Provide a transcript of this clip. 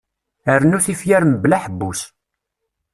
Rnu tifyar mebla aḥebbus.